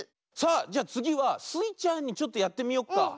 さあじゃつぎはスイちゃんちょっとやってみよっか。